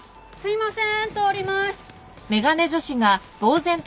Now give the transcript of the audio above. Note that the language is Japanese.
すすいません。